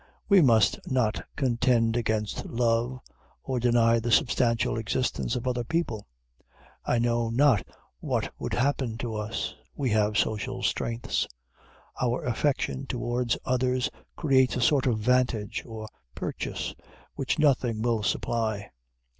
We must not contend against love, or deny the substantial existence of other people. I know not what would happen to us. We have social strengths. Our affection towards others creates a sort of vantage or purchase which nothing will supply.